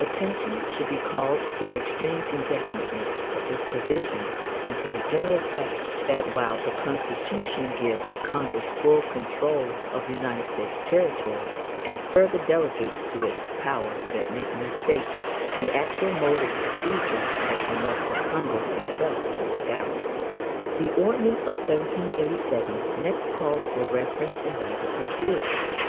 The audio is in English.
Attention should be called to the extreme indefiniteness of this provision and to the general fact that while the Constitution gives Congress full control of United States territory and further delegates to it the power to admit new states, the actual mode of procedure has been left to Congress itself to work out. The ordinance of 1787 next calls for reference and rapid review.